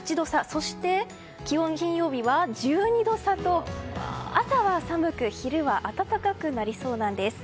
そして、金曜日は１２度差と朝は寒く昼は暖かくなりそうなんです。